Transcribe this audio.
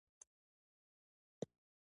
ژبه د علم ژبه ده